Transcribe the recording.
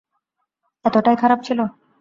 এতটাই খারাপ ছিল?